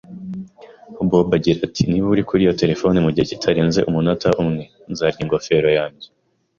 Bob agira ati: "Niba uri kuri iyo terefone mu gihe kitarenze umunota umwe, nzarya ingofero yanjye."